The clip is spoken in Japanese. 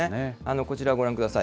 こちらご覧ください。